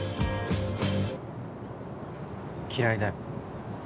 嫌いだよ